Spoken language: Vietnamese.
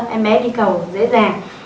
em bé đi cầu dễ dàng